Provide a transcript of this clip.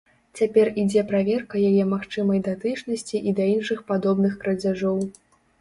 Цяпер ідзе праверка яе магчымай датычнасці і да іншых падобных крадзяжоў.